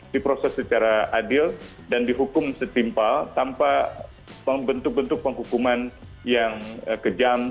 diproses secara adil dan dihukum setimpal tanpa bentuk bentuk penghukuman yang kejam